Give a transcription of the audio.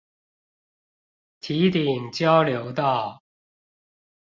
堤頂交流道